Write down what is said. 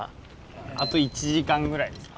あと１時間ぐらいですね。